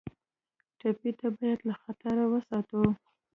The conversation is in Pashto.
ټپي ته باید له خطره وساتو.